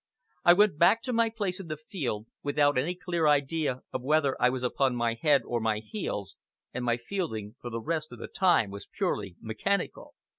I went back to my place in the field, without any clear idea of whether I was upon my head or my heels, and my fielding for the rest of the time was purely mechanical.